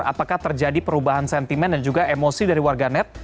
apakah terjadi perubahan sentimen dan juga emosi dari warganet